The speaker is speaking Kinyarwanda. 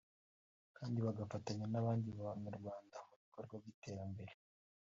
kandi bagafatanya n’abandi banyarwanda mu bikorwa by’iterambere